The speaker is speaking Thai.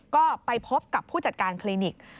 ก็ไปพบกับผู้จัดการคลินิก